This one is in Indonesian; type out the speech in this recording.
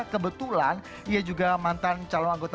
kebetulan ia juga mantan calon anggota